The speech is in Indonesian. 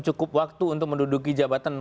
cukup waktu untuk menduduki jabatan